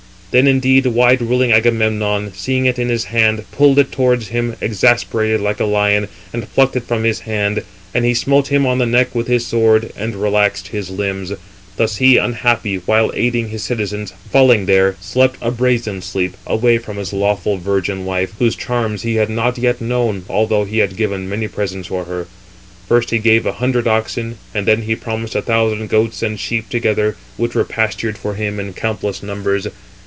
Then indeed wide ruling Agamemnon, seeing it in his hand, pulled it towards him, exasperated, like a lion, and plucked it from his hand; and he smote him on the neck with his sword, and relaxed his limbs. Thus he, unhappy, while aiding his citizens, falling there, slept a brazen sleep, away from his lawful virgin wife, whose charms he had not yet known, although he had given many presents [for her]. 370 First he gave a hundred oxen, and then he promised a thousand goats and sheep together, which were pastured for him in countless numbers.